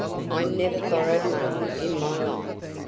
I never borrowed money in my life.